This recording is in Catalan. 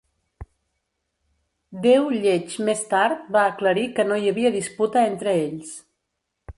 Déu lleig més tard va aclarir que no hi havia disputa entre ells.